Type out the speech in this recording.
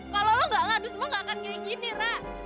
kalau lo gak ngadu semua nggak akan kayak gini rak